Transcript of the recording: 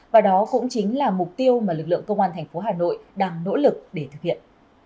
và đó cũng chính là mục tiêu mà lực lượng công an thành phố hà nội đang nỗ lực để thực hiện